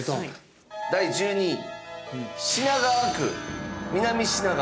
第１２位。